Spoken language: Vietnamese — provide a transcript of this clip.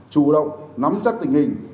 chủ động nắm chắc tình hình